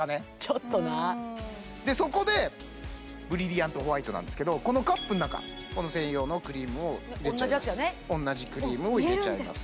ちょっとなそこでブリリアントホワイトなんですけどこのカップの中この専用のクリームを同じヤツやね同じクリームを入れちゃいます